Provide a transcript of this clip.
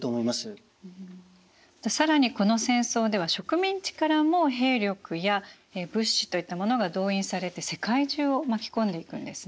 更にこの戦争では植民地からも兵力や物資といったものが動員されて世界中を巻き込んでいくんですね。